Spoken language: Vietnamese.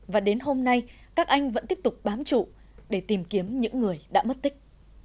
và đến hôm nay các anh vẫn tiếp tục bám trụ để tìm kiếm những người đã mất tích